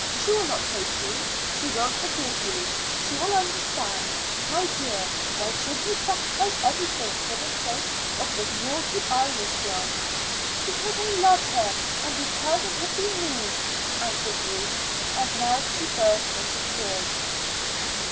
She will not hate you; she will forgive you. She will understand. My dear, why should you sacrifice everything for the sake of this naughty Irish girl?" "Because I love her, and because it would be mean," answered Ruth, and now she burst into tears.